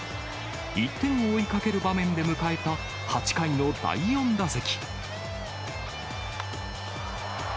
１点を追いかける場面で迎えた８回の第４打席。